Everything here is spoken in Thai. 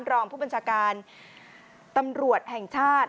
รองผู้บัญชาการตำรวจแห่งชาติ